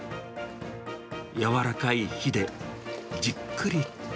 やわらかい火で、じっくりと。